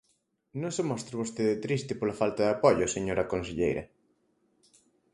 Non se mostre vostede triste pola falta de apoio, señora conselleira.